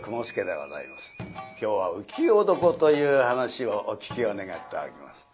今日は「浮世床」という噺をお聴きを願っております。